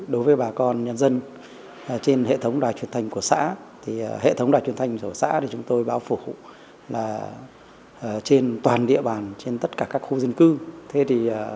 đối với bà con nhân dân trên hệ thống đòi truyền thành của xã thì chúng tôi phục hủ trên toàn địa bàn trên tất cả khu dân cư waiver chỉ được happened in đài m mer chu angef shar thông báo